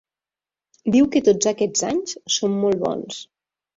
Diu que tots aquest anys són "molt bons".